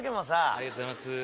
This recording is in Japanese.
ありがとうございます。